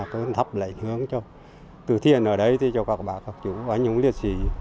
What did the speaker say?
thắp lại hướng cho từ thiên ở đây cho các bà các chú các anh hùng liệt sĩ